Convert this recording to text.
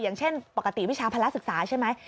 อย่างเช่นปกติวิชาภาระศึกษาใช่ไหม